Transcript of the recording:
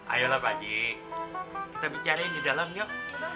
ayo lah pak haji kita bicara yang di dalam yuk